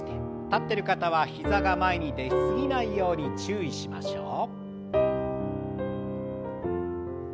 立ってる方は膝が前に出過ぎないように注意しましょう。